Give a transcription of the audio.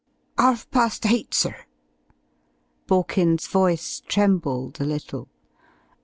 "'Arf past eight, sir!" Borkins' voice trembled a little.